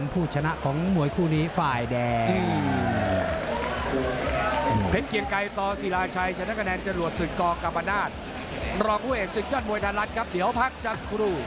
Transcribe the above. ผู้ชนะของมวยคู่นี้ฝ่ายแดง